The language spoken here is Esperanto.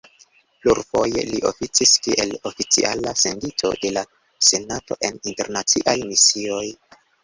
Plurfoje li oficis kiel oficiala sendito de la senato en internaciaj misioj.